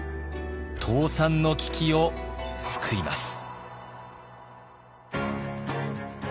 倒産の危機を救います。